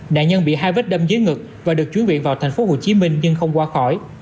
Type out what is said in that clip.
nạn nhân bị hai vết đâm dưới ngực và được chuyển viện vào tp hcm nhưng không qua khỏi